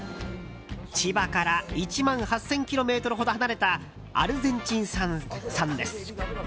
千葉から１万８０００ｋｍほど離れたアルゼンチン産です。